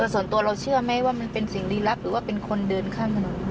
ส่วนตัวเราเชื่อไหมว่ามันเป็นสิ่งลีลับหรือว่าเป็นคนเดินข้ามถนน